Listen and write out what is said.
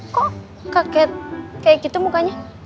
kok kaget kayak gitu mukanya